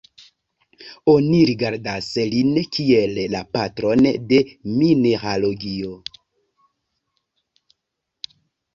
Oni rigardas lin kiel la "patron de mineralogio".